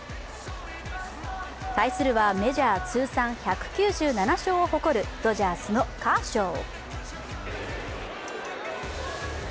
対するはメジャー通算１９７勝を誇るドジャースのカーショウ。